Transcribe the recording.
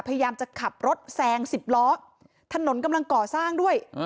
พยายามจะขับรถแซงสิบล้อถนนกำลังก่อสร้างด้วย